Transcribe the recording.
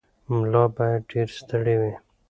ملا باید ډېر ستړی وي.